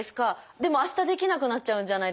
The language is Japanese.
でも明日できなくなっちゃうじゃないですか。